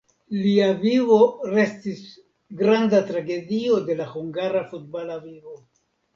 Lia vivo restis granda tragedio de la hungara futbala vivo.